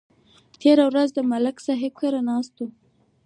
تېره ورځ د ملک صاحب کره ناست وو